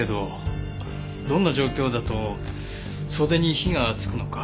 どんな状況だと袖に火がつくのか。